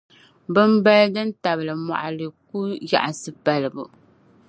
Bimbali din tabili mɔɣili ku yaɣisi palibu.